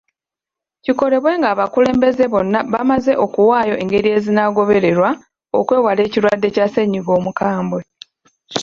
Kikolebwe nga abakulembeze bonna bamaze okuwaayo engeri ezinagobererwa okwewala ekirwadde kya ssennyiga omukambwe.